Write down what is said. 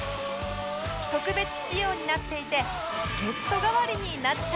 特別仕様になっていてチケット代わりになっちゃうんです！